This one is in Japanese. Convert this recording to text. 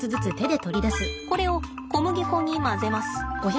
これを小麦粉に混ぜます。